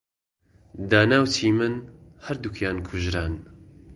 دانا و چیمەن هەردووکیان کوژران.